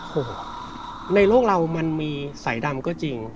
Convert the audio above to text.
โอ้โหในโลกเรามันมีสายดำก็จริง